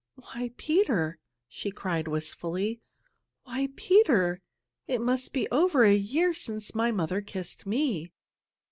"Why, Peter!" she cried wistfully. "Why, Peter! It must be over a year since my mother kissed me!